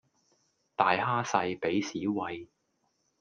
大蝦細俾屎餵